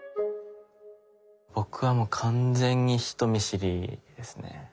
僕はもう完全に人見知りですね。